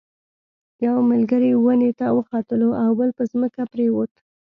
یو ملګری ونې ته وختلو او بل په ځمکه پریوت.